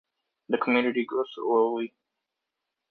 The community grew slowly.